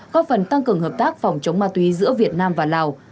góp phần tăng cường hợp tác phòng chống ma túy giữa việt nam và lào